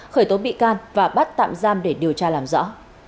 khởi tố bị can và bắt tạm giam để điều tra làm rõ